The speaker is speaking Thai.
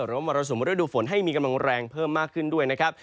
มรสุมฤดูฝนให้มีกำลังแรงเพิ่มมากขึ้นด้วยนะครับ